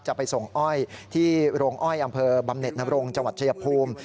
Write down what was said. จะไปส่งอ้อยที่โรงอ้อยอำเภอบำเน็ตนบรงจังหวัดชายภูมิ